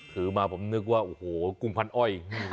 ถือมาผมนึกว่าโอ้โหกุมพันอ้อย